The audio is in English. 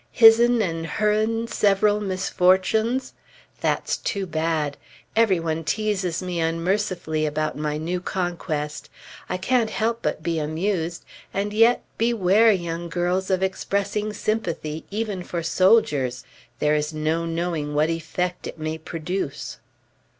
"His'n" and "her'n" several misfortunes? That's too bad! Every one teases me unmercifully about my new conquest. I can't help but be amused; and yet, beware, young girls, of expressing sympathy, even for soldiers! There is no knowing what effect it may produce.